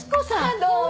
どうも。